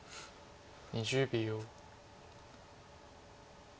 ２０秒。